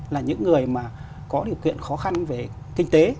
là những người mà có điều kiện khó khăn về kinh tế